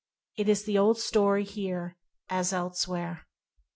It is the old story here, as elsewhere.